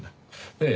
ええ。